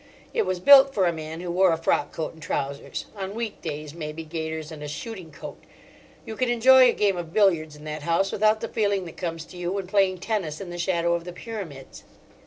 It was built for a man who wore a frock coat and trousers—on weekdays, maybe, gaiters and a shooting coat. You can enjoy a game of billiards in that house without the feeling that comes to you when playing tennis in the shadow of the Pyramids."